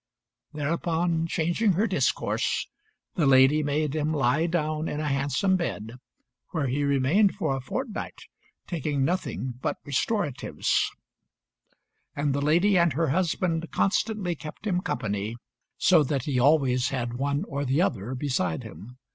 Thereupon changing her discourse, the lady made him lie down in a handsome bed, where he remained for a fortnight, taking nothing but restoratives; and the lady and her husband constantly kept him company, so that he always had one or the other beside him.